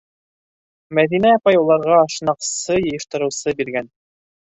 Мәҙинә апай уларға ашнаҡсы, йыйыштырыусы биргән.